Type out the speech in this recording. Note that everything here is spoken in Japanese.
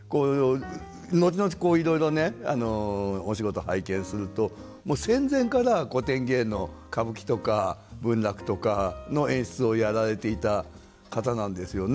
後々こういろいろねお仕事拝見するともう戦前から古典芸能歌舞伎とか文楽とかの演出をやられていた方なんですよね。